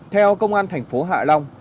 theo công an thành phố hạ long